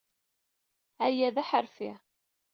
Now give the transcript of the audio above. Aya d aḥerfi.